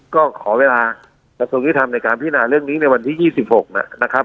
ก็ขอเวลากระทรวงยุทธรรมในการพินาเรื่องนี้ในวันที่๒๖นะครับ